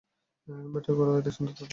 Batter গলা এত সুন্দর তাতো জানতাম না।